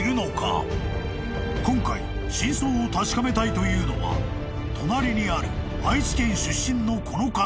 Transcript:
［今回真相を確かめたいというのは隣にある愛知県出身のこの方］